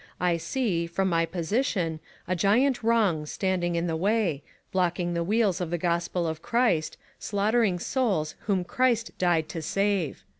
I see, from my position, a giant wrong standing in the way, blocking the wheels of the gospel of Christ, slaughtering souls whom Christ died to save.